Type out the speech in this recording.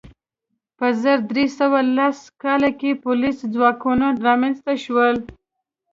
په زر درې سوه لس کال کې پولیس ځواکونه رامنځته شول.